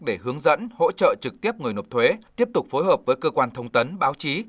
để hướng dẫn hỗ trợ trực tiếp người nộp thuế tiếp tục phối hợp với cơ quan thông tấn báo chí